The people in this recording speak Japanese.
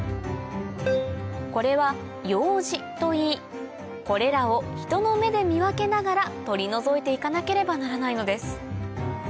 これは葉耳といいこれらを人の目で見分けながら取り除いて行かなければならないのです